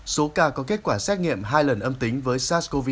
số ca có kết quả xét nghiệm hai lần âm tính với sars cov hai